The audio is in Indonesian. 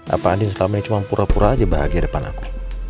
apa andin selama ini cuma pura pura aja bahagia depan aku